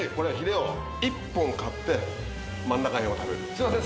すいません。